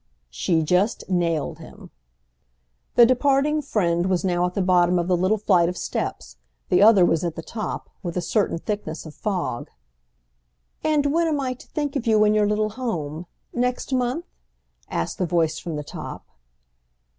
"She just nailed him." The departing friend was now at the bottom of the little flight of steps; the other was at the top, with a certain thickness of fog. "And when am I to think of you in your little home?—next month?" asked the voice from the top.